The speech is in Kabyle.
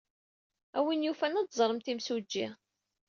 A win yufan ad teẓremt imsujji.